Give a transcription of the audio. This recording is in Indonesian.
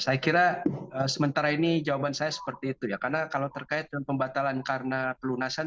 saya kira sementara ini jawaban saya seperti itu ya karena kalau terkait pembatalan karena pelunasan